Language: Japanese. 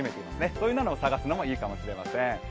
そういうものを探すのもいいかもしれません。